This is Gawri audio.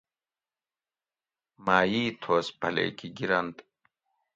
مہ ای تھوس پھلیکی گِرنت